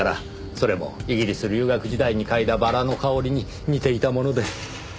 それもイギリス留学時代に嗅いだバラの香りに似ていたもので。